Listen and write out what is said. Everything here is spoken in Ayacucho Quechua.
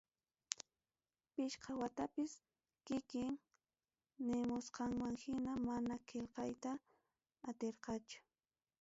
Pichqa watapis, kikin nimusqanman hina, mana qillqayta atirqachu.